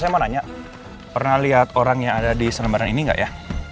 saya mau nanya pernah lihat orang yang ada di selembaran ini nggak ya